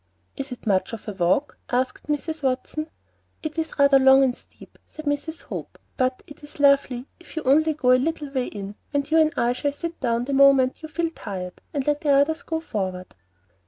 "Is it much of a walk?" asked Mrs. Watson. "It is rather long and rather steep," said Mrs. Hope; "but it is lovely if you only go a little way in, and you and I will sit down the moment you feel tired, and let the others go forward."